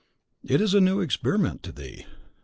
It is a new experiment to thee.